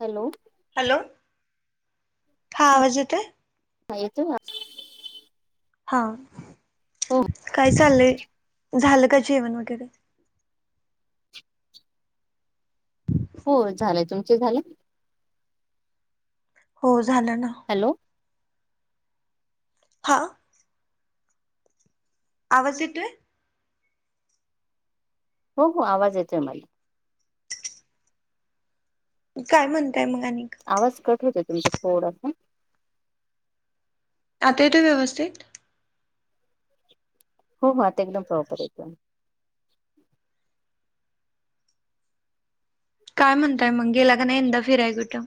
Hello. Hello हा आवाज येतोय? हा येतो ना. हा हो काय चाललंय झालं का जेवण वगैरे? हो झालंय तुमच झाल? हो झालं ना. हॅलो. हा. आवाज येतोय? हो हो आवाज येतोय मला. काय म्हणताय मग आणिक. आवाज कट होतोय तुमचा थोडासा. आता येतोय व्यवस्थित? हो हो, आता एकदम प्रॉपर येतोय. काय म्हणताय मग गेला का नाही यंदा फिराय कुठं?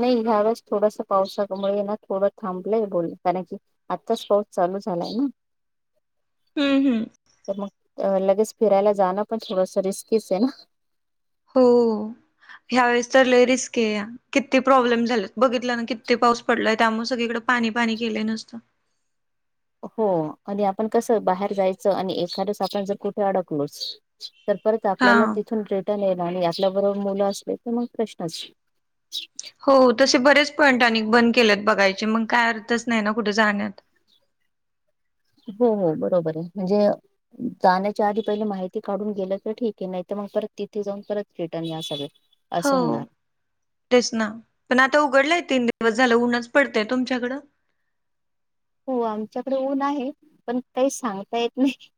नाही ह्या वेळेस थोडसा पावसामुळे ना थोडं थांबलंय बोल कारण की. आताच पाउस चालू झालाय ना? हम्म हम्म. तर मग लगेच फिरायला जाणं पण थोडस रिस्कीच आहे ना. हो ह्यावेेळेस तर लय रिस्की आहे. किती प्रॉब्लेम झालेत बघितलं ना, किती पाऊस पडलाय त्यामुळें सगळीकडे पाणी पाणी केलं नुसतं. हो आणि आपण कसं बाहेर जायचं आणि एखादच आपण जर कुठे अडकलोच तर परत हा आपल्याला तिथून रिटर्न येणार, आणि आपल्या बरोबर मुलं असले तर मग प्रश्नचं. हो तसे बरेच पॉईंट आणि बंद केलेत बघायचे मंग काय अर्थच नाही ना कुठे जाण्यात. हो हो बरोबर आहे म्हणजे जाण्याच्या आधी पहिले माहिती काढून गेलं तर ठीक आहे नाही तर मग परत तिथे जाऊन परत रिटर्न या सगळं. हो तेच ना, पण आता उघडलंय तीन दिवस झालं ऊनच पडतेय तुमच्याकडं. हो आमच्याकडे ऊन आहे पण काही सांगता येत नाही.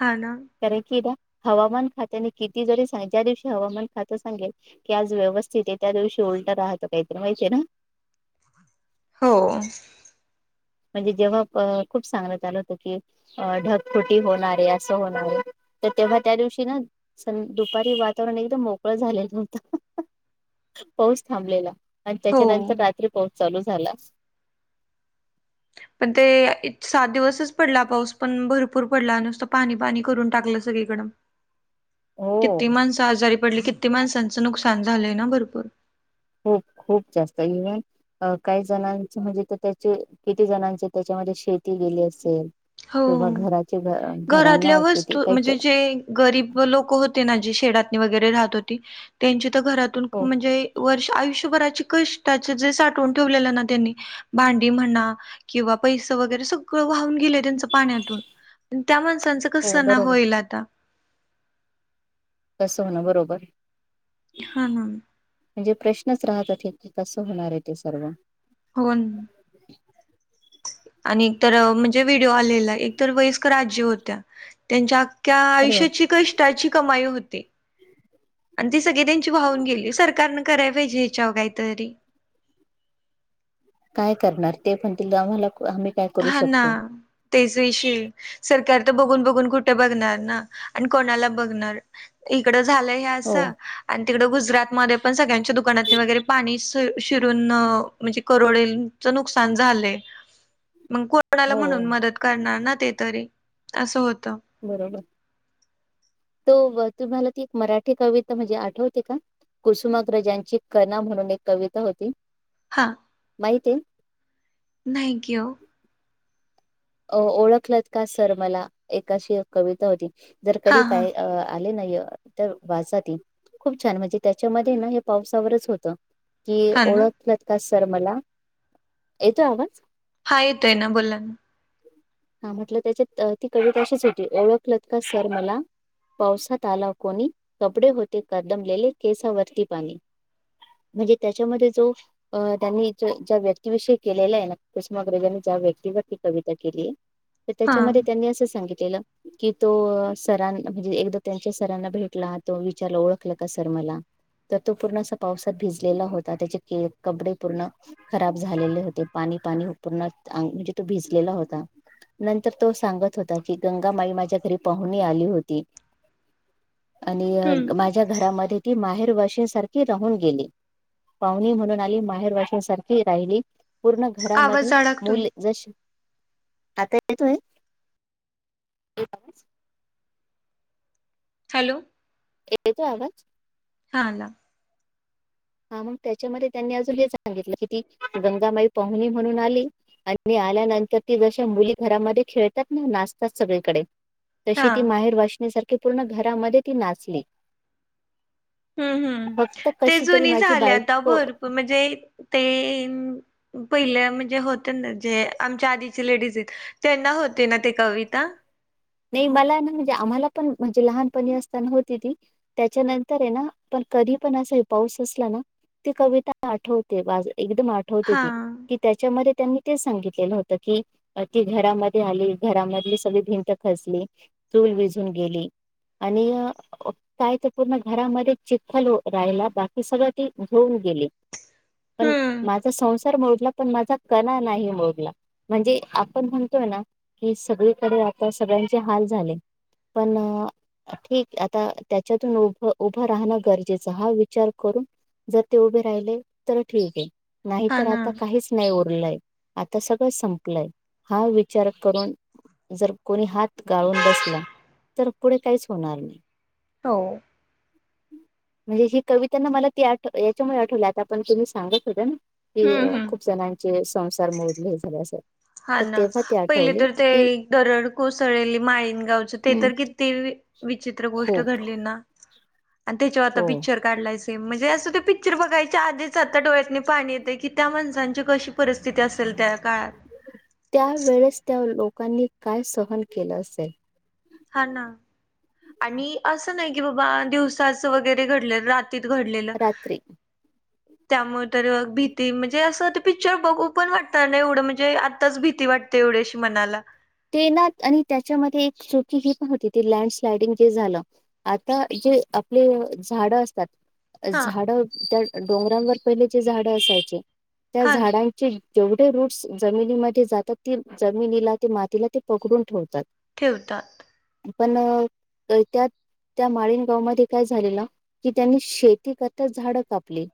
हा ना. कारण कीदा हवामान खात्याने किती जरी सां, ज्या दिवशी हवामान खातं सांगेल. की आज व्यवस्थित आहे, त्या दिवशी उलटं राहतं काहीतरी माहितीय ना. हो. म्हणजे जेव्हा प खूप सांगलं चालवतो की. अ ढगफुटी होणारे असं होणार आहे, तर तेव्हा त्या दिवशी ना. सन दुपारी वातावरण एकदम मोकळं झालेलं होता पाऊस थांबलेला. आणि हो त्याच्यानंतर रात्री पाऊस चालू झाला. पण ते सात दिवसच पडला पाऊस, पण भरपूर पडला नुसतं पाणी पाणी करून टाकलं सगळी. गडम हो किती माणसं आजारी पडली किती माणसांचं नुकसान झालंय ना भरपूर. खूप खूप जास्त घेऊ यान. अ काही जणांच म्हणजे तर त्याचे किती जणांचे त्याच्यामध्ये शेती गेली असेल. हो किंवा घराचे, घरातल्या घरांना किती वस्तू काही म्हणजे ते. जे गरीब लोकं होती ना जे शेडातनी वगैरे राहतं होती. त्यांची तर घरातून हो म्हणजे, वर्ष आयुष्यभराची कष्टाचे जे, साठवून ठेवलेलं ना त्यांनी. भांडी म्हणा किंवा पैस वगैरे सगळं वाहून गेले. त्यांचा पाण्यातून त्या माणसांच हो कसं ना बरोबर होईल आता. कसं होणं बरोबर. हा ना. म्हणजे प्रश्नच राहतात हे की कसं होणार आहे ते सर्व. कोण. आणि एक तर म्हणजे व्हिडिओ आलेला, एक तर वयस्कर आजी होत्या त्यांच्या अ त्या बरोबर आयुष्याची कष्टाची कमाई होती. आणि ती सगळी त्यांची वाहून गेली, सरकारनं करायला पाहिजे हेच्यावर काहीतरी. काय करणार ते पण, तिला आम्हाला आम्ही. काय करू हां ना. शकतो तेच विषय सरकार तर, बघून बघून कुठे बघणार ना आणि कोणाला बघणार. इकडं झालं हे हो असं. आणि तिकडं गुजरातमध्ये पण सगळ्यांच्या, दुकानातनी वगैरे पाणी शिरून म्हणजे करोडेल. चा नुकसान झालंय. मग कोणाला हो म्हणून मदत करणार ना, ते तरी असं होतं. बरोबर तो तुम्हाला, ती एक मराठी कविता म्हणजे आठवते का. कुसुमागक्रजांची कना म्हणून एक कविता होती. हां. माहिती नाही की ओ. अ ओळखलत का सर मला एका अशी कविता होती. जर हा कधी, हा पाय आले ना य. तर वाचात खूप छान म्हणजे, त्याच्यामध्ये ना हे पावसावरच होत की हा ओळख. ना ओळखलं का सर मला, येतो आवाज. हा येतोय ना, बोला ना. हा म्हटलं त्याच्यात ती कवी तशीच होती. ओळखलत का सर मला? पावसात आला कोणी कपडे होते कदमलेले केसावरती पाणी. म्हणजे त्याच्यामध्ये जो अं त्यांनी ज्या व्यक्तीविषयी केलेल्या आहे ना कुसमाग्रजांनी ज्या व्यक्तीवरती कवि त केली, तर हा त्याच्यामध्ये त्यांनी असं सांगितलेलं. कि तो सरां म्हणजे एकदा त्यांच्या सरांना भेटला, तो विचारला ओळखलं का सर मला? तर तो पूर्ण असा पावसात भिजलेला होता. त्याचे के कपडे पूर्ण खराब झालेले होते. पाणी पाणी पूर्ण अंग म्हणजे तो भिजलेला होता. नंतर तो सांगत होता की, गंगामाई माझ्या घरी पाहुन आली होती. आणि हम्म अ माझ्या घरामध्ये ती माहेरवाशीन सारखी राहून गेली. पाहुणी म्हणून आली आणि माहेर वाशनीसारखी राहिली. पूर्ण घरामध्ये आवाज अडकतोय मुल जशी आता येतोय. हॅलो. येतोय आवाज? आला. हा मग त्याच्यामध्ये त्यांनी अजून हे सांगितलं की ती गंगामाई पाहुणी म्हणून आली. आणि आल्यानंतर ती जश्या मुली घरामध्ये खेळतात ना, नाचतात सगळीकडे. तशी हा ती माहेरवाशनी सारखी पूर्ण घरामध्ये ती नाचली. हम्म हम्म. फक्त ते कशी तरी जुनी माझी झाले आता बायको भरपूर म्हणजे ते पहिलं म्हणजे होत ना जे आमच्या आधीचे लेडीज आहेत त्यांना होते ना ते कविता. नाही मला ना म्हणजे आम्हाला पण म्हणजे लहानपणी असताना होती ती. त्याच्यानंतर आहे ना, पण कधी पण असा पाऊस असला ना ती कविता आठवते बाज एकदम आठवते हा ती. त्याच्यामध्ये त्यांनी ते सांगितलेलं होत की, ती घरामध्ये आली. घरामधली सगळी भिंत खसली चूल विजून गेली आणि अ काय तर पूर्ण घरामध्ये चिखल राहिला, बाकी सगळं ती धुन गेली. पण हम्म माझा संसार मोडला, पण माझा कणा नाही मोडला. म्हणजे आपण म्हणतोय ना, की सगळीकडे आता सगळ्यांचे हाल झाले. पण ठिक आहे. आता त्याच्यातून उभ उभं राहणं गरजेचं हा विचार करून जर ते उभे राहिले तर ठीक आहे, नाही हा तर ना आता काहीच नाही उरलंय, आता सगळं संपलंय हा विचार करून जर कोणी हात गाळून बसला, तर पुढे काहीच होणार नाही. हो. म्हणजे ही कविता ना मला ती आठ याच्यामुळे आठवली, आता पण तुम्ही सांगत होत्या ना की हम्म हम्म खूप जणांचे संसार मोडले झाले अस हा तर ना तेव्हा ती पहिले आठवली तर ते की दरड कोसळलेली माळीनगावच ते हं, तर किती विचित्र गोष्ट खूप घडली ना. आणि त्याच्यावर आता हो पिक्चर काढलाय सेम. म्हणजे असं ते पिक्चर बघायच्या आधीच आता डोळ्यातनी नाही पाणी येतंय, की त्या माणसांची कशी परिस्थिती असेल त्या काळात. त्यावेळेस त्या लोकांनी काय सहन केलं असेल. हा ना आणि असं नाही कि बाबा, दिवसाच वगैरे घडलं रात तिथं घडलेलं. रात्री त्यामुळे तर भीती म्हणजे असं ते पिक्चर बघू पण वाटणार नाही. एवढं म्हणजे आत्ताच भीती वाट तेवढीशी मनाला. ते ना आणि त्याच्यामध्ये एक चुकी ही पण होती, ती लँडस्लायडिंग जे झालं आता जे आपले झाडं असतात हा झाड त्या डोंगरांवर पहिले जे झाड असायचे, त्या हा झाडां चे जेवढे रूट्स जमिनीमध्ये जातात, ते जमिनीला ते मातीला ते पकडून ठेवतात. ठेवता. पण त्यात. त्या माळीन गावमध्ये काय झालेलं की त्यांनी शेती करता झाडं कापली.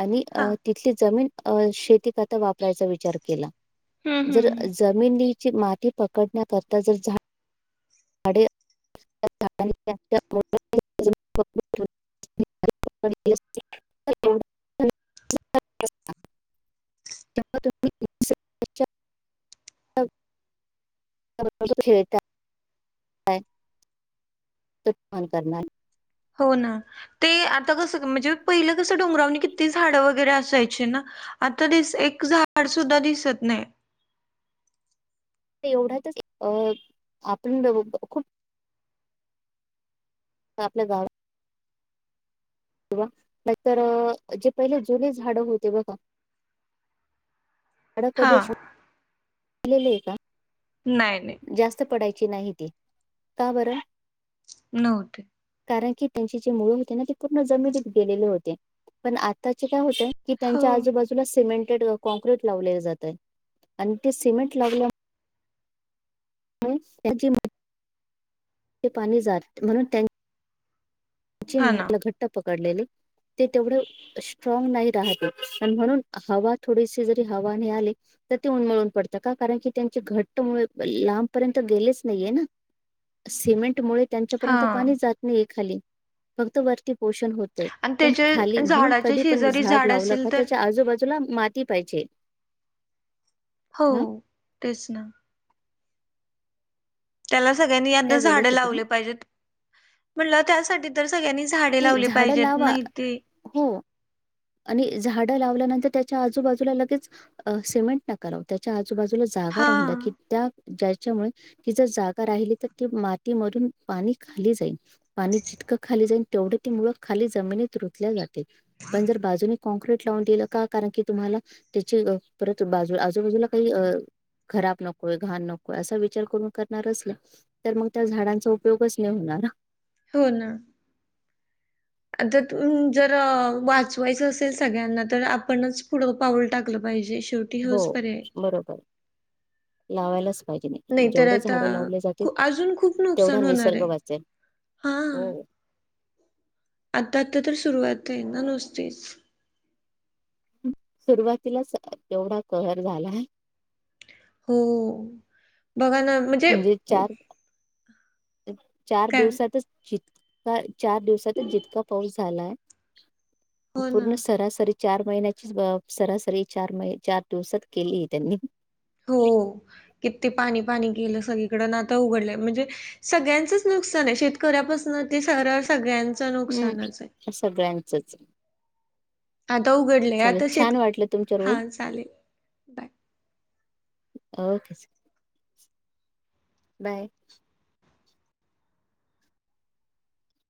आणि अ हा तिथली जमीन अ शेती करता वापरायचा विचार केला. हम्म जर हम्म जमिनीची माती पकडण्याकरता जर झा [unintelligible] [unintelligible] [unintelligible] [unintelligible] काय [unintelligible] ती फोन करणार. हो ना ते आता कसं म्हणजे पहिलं कसं डोंगरावनी किती झाडं वगैरे असायची ना. आता दिस एक झाड सुद्धा दिसत नाही. ते एवढ्याच अ आपण दोघ खूप आपल्या गा किंवा नाहीतर जे पहिले जुली झाडं होते बघा झाड हा कधीलेलं आहे का [unintelligible] नाही नाही. जास्त पडायची नाहीती का बरं? नवते कारण की त्यांची जी मुळ होते ना ते पूर्ण जमिनीत गेलेले होते पण आताचे काय होते की हो त्यांच्या आजूबाजूला सिमेंटेड कॉँक्रीट लावले जातय आणि ते सिमेंट लावल्या [unintelligible] पाणी जात म्हणून हा ना [unintelligible] घट्ट पकडलेले ते तेवढे स्ट्रांग नाही राहते आणि म्हणून हवा थोडीशी जरी हवा आली तर ते उन्मळून पडतं का कारण की त्यांचे घट्ट मुळ लांबपर्यंत गेलेच नाहीये ना. सिमेंट मुळे हा त्यांच्यापर्यंत पाणीच जात नाहीय खाली. फक्त वरती पोषण होतंय. आणि पण खाली त्याच्या म्हणून झाडाच्या कधी पण शेजारी झाड लावलं असेल का तर त्याच्या आजूबाजूला माती पाहिजे. हो हा तेच ना. त्याला सगळ्यांनी आता काय झाड बोलत हो लावले तुम्ही पाहिजेत म्हटलं त्यासाठी तर सगळ्यांनी झाडे लावली पाहिजेत नाही ते हम. आणि झाडं लावल्यानंतर त्याच्या आजूबाजूला लगेच सिमेंट टाक कराव त्याच्या आजूबाजूला जागा हा राहून द्या की त्या ज्याच्यामुळे ही जर जागा राहिली तर ती मातीमधून पाणी खाली जाईल. पाणी जितकं खाली जाईन तेवढी ती मुळ खाली जमिनीत रुतल्या जाते. आपण जर बाजूने कॉनक्रीट लावून दिलं का कारण की तुम्हाला त्याची परत बाजू आजूबाजूला काही अ खराब नकोय घाण नकोय असा विचार करून करणारच नाही तर मग त्या झाडांचा उपयोगच नाही होणार. हो ना. आता तून जर वाचवायचं असेल सगळ्यांना तर आपणच पुढं पाऊल टाकलं पाहिजे शेवट हो बरोबर लावायलाच हिजे नाही नाहीतर जेवढे आता झाडे लावले जातील खू अजून खूप तेवढे नुकसान होणार निसर्ग आहे वाचेल. हा हो [unintelligible] आता. आता तर सुरुवात आहे ना नुसतीच. सुरुवातीलाच तेवढा कहर झाला. हो बघा ना म्ह म्हणजे चार चार काय दिवसातच श ह्या चार दिवसांतच जितका पाऊस झालायं, हो ना पूर्ण सरासरी. चार महिन्याची, सरासरी चार म चार दिवसात केली तेनी. हो किती पाणी पाणी केलं सगळीकड. आता उघडलं म्हणजे, सगळ्यांचं नुकसान आहे, शेतकऱ्यापासन ते सर सगळ्यां हम्म, सगळ्यांचच. आता उघड चालेल छान वाटलं तुमच्या रोल. बाय. ओके चल बाय.